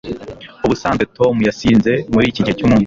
ubusanzwe tom yasinze muriki gihe cyumunsi